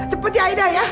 cepet ya aida ya